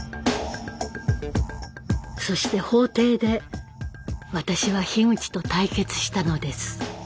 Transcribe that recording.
そして法廷で私は樋口と対決したのです。